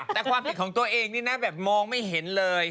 แต่ความผิดของตัวเองนี่นะแบบมองไม่เห็นเลย